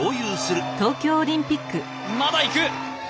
まだ行く。